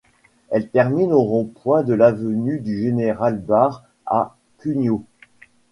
Elle termine au rond-point de l'avenue du Général Bares à Cugnaux.